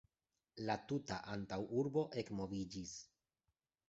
La tuta antaŭurbo ekmoviĝis.